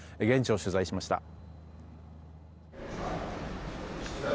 現地を取材しました。